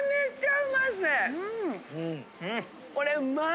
・うん・これうまい！